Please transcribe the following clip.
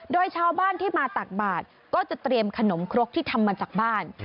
โดยชาวบ้านที่มาตักบาทก็จะเตรียมขนมครกที่ทำมาจากบ้าน